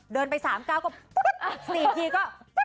เดินไปสามก้าวก็สี่ทีก็